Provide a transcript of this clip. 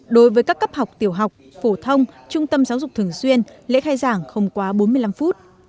đối với các cấp học tiểu học phổ thông trung tâm giáo dục thường xuyên lễ khai giảng không quá bốn mươi năm phút